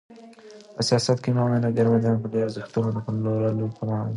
په سیاست کې معامله ګري د ملي ارزښتونو د پلورلو په مانا ده.